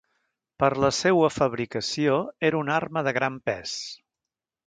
Per la seua fabricació, era una arma de gran pes.